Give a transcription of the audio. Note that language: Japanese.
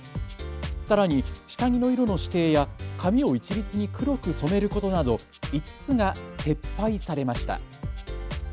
さらに下着の色の指定や髪を一律に黒く染めることなど５つつが撤廃されました。